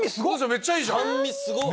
めっちゃいいじゃん！